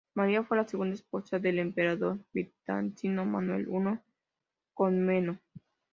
María fue la segunda esposa del emperador bizantino Manuel I Comneno.